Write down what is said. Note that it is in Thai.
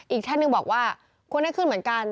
อีกท่านหนึ่งบอกว่าควรให้ขึ้นเหมือนกัน